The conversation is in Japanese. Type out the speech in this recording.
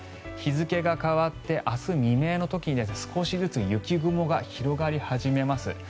日付が変わって明日未明に少しずつ雪雲が広がり始めます。